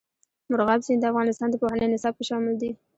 مورغاب سیند د افغانستان د پوهنې نصاب کې شامل دي.